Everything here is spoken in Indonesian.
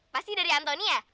pasti dari anthony ya